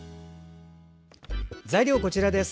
材料はこちらです。